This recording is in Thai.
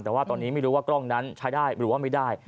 แต่ว่าตอนนี้ไม่รู้ว่ากล้องนั้นใช้ได้หรือว่าไม่ได้